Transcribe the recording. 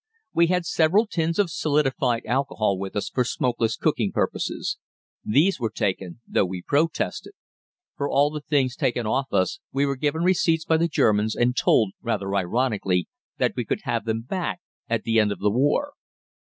We had several tins of solidified alcohol with us for smokeless cooking purposes. These were taken, though we protested. For all the things taken off us we were given receipts by the Germans and told, rather ironically, that we could have them back at the end of the war.